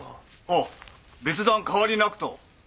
はっ別段変わりなくと。